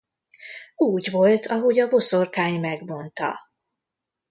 Úgy volt, ahogy a boszorkány megmondta.